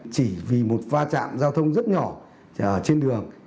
chỉ vì một pha trạm giao thông rất nhỏ trên đường